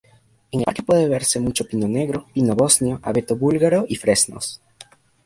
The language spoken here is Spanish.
En el parque puede verse mucho pino negro, pino bosnio, abeto búlgaro y fresnos.